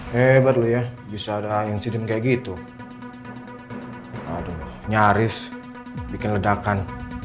hebat loh ya bisa ada insiden kayak gitu aduh nyaris bikin ledakan